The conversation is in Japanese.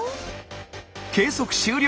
計測終了！